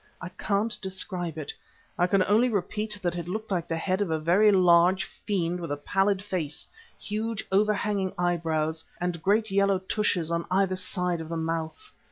I can't describe it, I can only repeat that it looked like the head of a very large fiend with a pallid face, huge overhanging eyebrows and great yellow tushes on either side of the mouth.